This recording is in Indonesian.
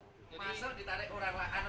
masa ditarik orang lain